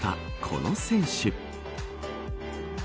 この選手。